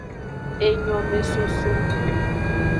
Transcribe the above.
Enyomesoso.